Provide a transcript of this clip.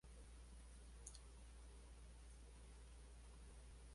Fue uno de los ciclistas más destacados de su generación en Colombia.